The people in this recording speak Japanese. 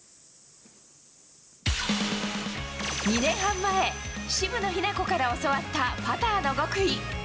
２年半前、渋野日向子から教わったパターの極意。